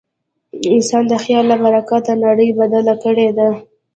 انسان د خیال له برکته نړۍ بدله کړې ده.